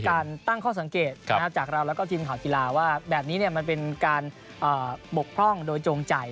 การตั้งข้อสังเกตจากเราแล้วก็ทีมข่าวกีฬาว่าแบบนี้มันเป็นการบกพร่องโดยโจงใจ